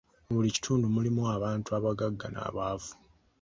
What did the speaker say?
Mu buli kitundu mulimu abantu abagagga n'abaavu.